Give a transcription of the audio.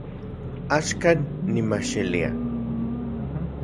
Axkan nimajxilia